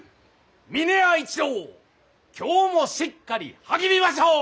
峰屋一同今日もしっかり励みましょう！